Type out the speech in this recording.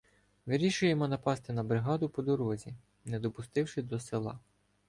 Вирішуємо напасти на бригаду по дорозі, не допустивши до села.